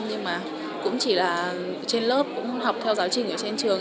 nhưng mà cũng chỉ là trên lớp cũng học theo giáo trình ở trên trường